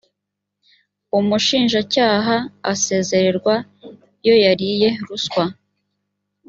umushinjacyaha asezererwa iyoyariye ruswa.